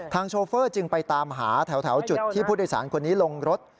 โชเฟอร์จึงไปตามหาแถวจุดที่ผู้โดยสารคนนี้ลงรถ